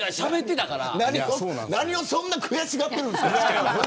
何をそんなに悔しがっているんですか。